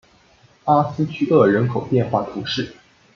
阿斯屈厄人口变化图示